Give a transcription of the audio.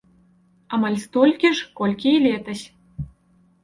Амаль столькі ж, колькі і летась.